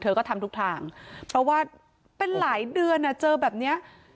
ก็ทำทุกทางเพราะว่าเป็นหลายเดือนอ่ะเจอแบบเนี้ย